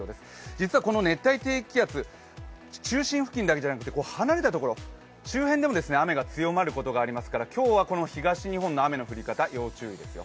実はこの熱帯低気圧、中心付近だけじゃなくて離れたところ、周辺でも雨が強まることがありますから今日はこの東日本の雨の降り方、要注意ですよ。